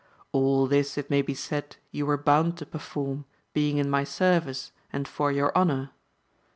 All this it may be said yoa were hound to perform, being in my service, and for yourjjhonour.